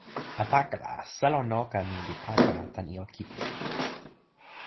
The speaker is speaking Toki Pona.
a, pakala! selo noka mi li pakala tan ijo kipisi.